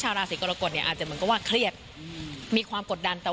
ชีวิตที่เหมือนกับว่ามันเคย